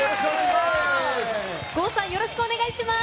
よろしくお願いします！